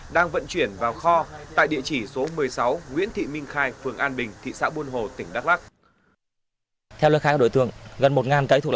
đang vận chuyển vào kho tại địa chỉ số một mươi sáu nguyễn thị minh khang